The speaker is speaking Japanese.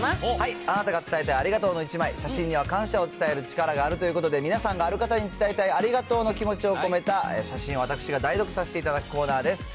あなたが伝えたいありがとうの１枚、写真には感謝を伝える力があるということで、皆さんがある方に伝えたいありがとうの気持ちを込めた写真を私が代読させていただくコーナーです。